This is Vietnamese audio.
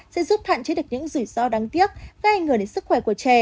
sẽ giúp hạn chế được những rủi ro đáng tiếc gây ngờ đến sức khỏe của trẻ